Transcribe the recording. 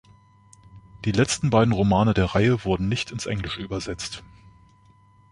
Die letzten beiden Romane der Reihe wurden nicht ins Englische übersetzt.